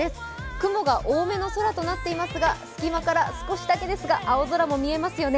雲が多めの空となっていますが、隙間から少しだけですが青空も見えますよね。